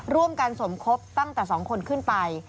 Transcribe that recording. ร่วมกันสมคบตั้งแต่๒คนขึ้นไป